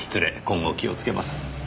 今後気をつけます。